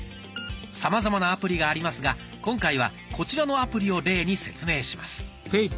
さまざまなアプリがありますが今回はこちらのアプリを例に説明します。